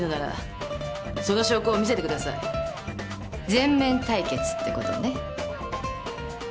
全面対決ってことね？